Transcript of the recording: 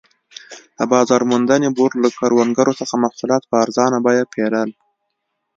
د بازار موندنې بورډ له کروندګرو څخه محصولات په ارزانه بیه پېرل.